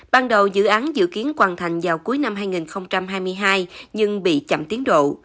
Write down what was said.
ban đầu dự án dự kiến hoàn thành vào cuối năm hai nghìn hai mươi hai nhưng bị chậm tiến độ